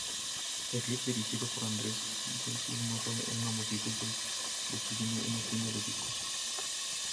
El clip dirigido por Andrews Jenkins muestra una multitud destruyendo una tienda de discos.